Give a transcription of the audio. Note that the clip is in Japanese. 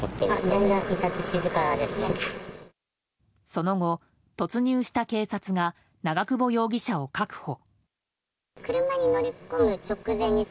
その後、突入した警察が長久保容疑者を確保。